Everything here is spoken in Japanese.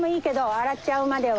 洗っちゃうまでは。